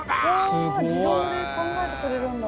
すごい。わあ自動で考えてくれるんだ。